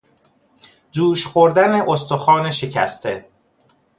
جوش خوردن استخوان شکسته